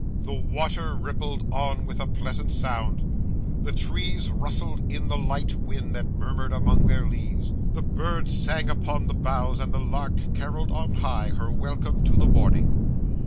The water rippled on with a pleasant sound, the trees rustled in the light wind that murmured among their leaves, the birds sang upon the boughs, and the lark carolled on high her welcome to the morning.